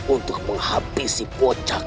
untuk menghabisi bocah